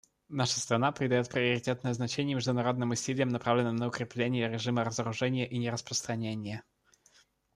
Наша страна придает приоритетное значение международным усилиям, направленным на укрепление режима разоружения и нераспространения.